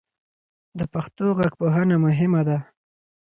د پښتو غږپوهنه مهمه ده.